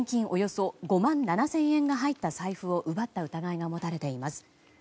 およそ５万７０００円が入った財布を奪った疑いが持たれています。